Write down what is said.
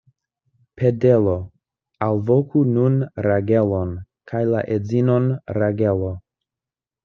Pedelo, alvoku nun Ragelon kaj la edzinon Ragelo.